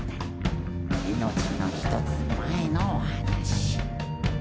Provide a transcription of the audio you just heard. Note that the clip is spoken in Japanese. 「命の一つ前のお話」